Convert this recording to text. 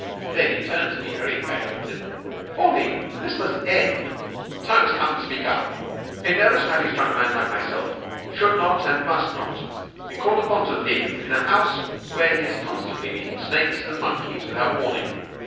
Then he turned to me, very pale, and said: 'Pauline, this must end! The time has come to speak up. A nervous, highly strung man like myself should not, and must not, be called upon to live in a house where he is constantly meeting snakes and monkeys without warning.